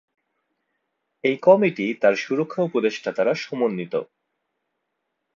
এই কমিটি তার সুরক্ষা উপদেষ্টা দ্বারা সমন্বিত।